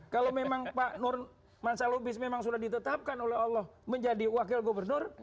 kalau memang pak nur mansalobis memang sudah ditetapkan oleh allah menjadi wakil gubernur